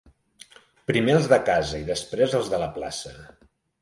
Primer els de casa, i després els de la plaça.